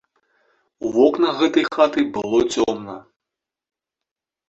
У вокнах гэтай хаты было цёмна.